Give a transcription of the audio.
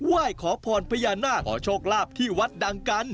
ไหว้ขอพรพญานาคขอโชคลาภที่วัดดังกัน